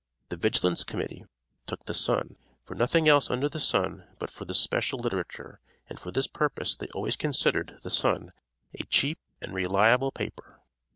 The Vigilance Committee took the "Sun," for nothing else under the sun but for this special literature, and for this purpose they always considered the "Sun" a cheap and reliable paper.